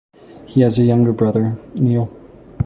He has a younger brother, Neil.